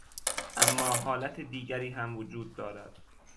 اما حالت دیگری هم وجود دارد.